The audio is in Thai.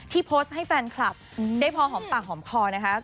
ที่โพสต์ให้แฟนคลับได้พอหอมปากหอมคอนะคะ